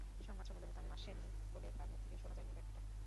সংবাদ সম্মেলনে তামিম আসেননি বলে তার মুখ থেকে শোনা যায়নি ব্যাখ্যাটা।